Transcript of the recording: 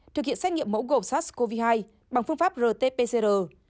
thực hiện xét nghiệm mẫu gộp sars cov hai bằng phương pháp rt pcr